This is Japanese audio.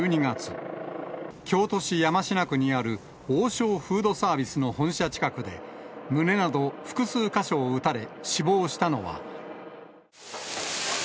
京都市山科区にある王将フードサービスの本社近くで、胸など複数か所を撃たれ、死亡したのは。